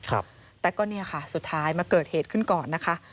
ครับแต่ก็เนี่ยค่ะสุดท้ายมาเกิดเหตุขึ้นก่อนนะคะ